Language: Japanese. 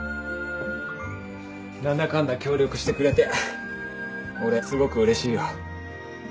何だかんだ協力してくれて俺すごくうれしいよ。